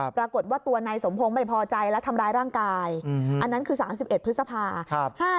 ปรากฏว่าตัวนายสมพงศ์ไม่พอใจและทำร้ายร่างกายอันนั้นคือ๓๑พฤษภา